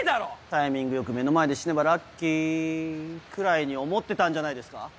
タイミングよく目の前で死ねばラッキーぐらいに思ってたんじゃないですか？